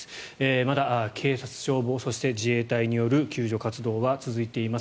まだ警察、消防、自衛隊による救助活動は続いています。